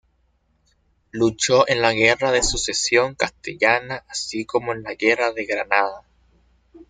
Luchó en la Guerra de Sucesión Castellana así como en la Guerra de Granada.